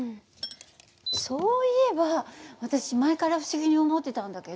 そういえば私前から不思議に思ってたんだけど。